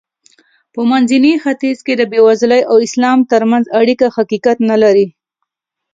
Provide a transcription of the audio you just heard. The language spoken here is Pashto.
په منځني ختیځ کې د بېوزلۍ او اسلام ترمنځ اړیکه حقیقت نه لري.